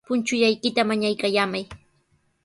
Punchullaykita mañaykallamay.